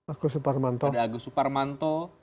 ada agus suparmanto